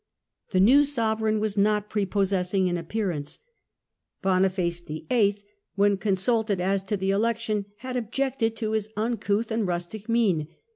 The new Sovereign was not prepossessing in appear ance. Boniface VIII., when consulted as to the election, had objected to his uncouth and rustic mien.